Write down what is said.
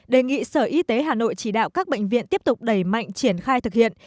đề nghị sở y tế hà nội chỉ đạo các bệnh viện tiếp tục đẩy mạnh triển khai thực hiện